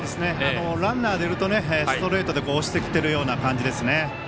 ランナー出るとストレートで押してきているような感じですね。